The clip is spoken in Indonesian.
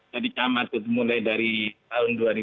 jadi camat itu mulai dari tahun dua ribu empat belas